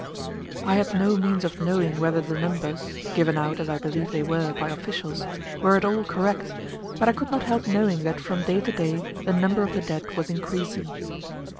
I had no means of knowing whether the numbers (given out, as I believe they were, by officials) were at all correct, but I could not help knowing that from day to day the number of the dead was increasing.